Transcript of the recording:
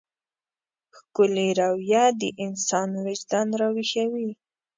ښکلې رويه د انسان وجدان راويښوي.